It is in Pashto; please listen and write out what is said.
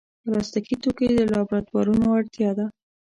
پلاستيکي توکي د لابراتوارونو اړتیا ده.